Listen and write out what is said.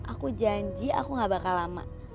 aku janji aku gak bakal lama